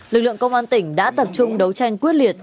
lực lượng công an tỉnh đã tập trung đấu tranh quyết liệt